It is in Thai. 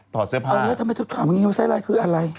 ถอดเสื้อผ้าแล้วทำไมถูกตามว่าไซด์ไลน์คืออะไร